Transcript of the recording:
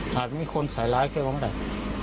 อาจจะมีคนสายร้ายเท่าไหร่